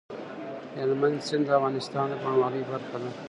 هلمند سیند د افغانستان د بڼوالۍ برخه ده.